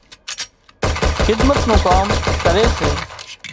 خدمت نُون ڪام ڪري سي